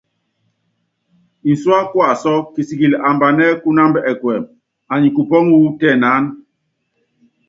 Ncúá kuasɔ́, kisikili ambanɛ́ kunámba ɛkuɛmɛ, anyi kupɔ́ŋɔ wú tɛnaánɛ.